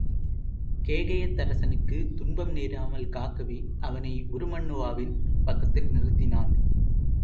கேகயத்தரசனுக்குத் துன்பம் நேராமல் காக்கவே அவனை உருமண்ணுவாவின் பக்கத்தில் நிறுத்தினான்.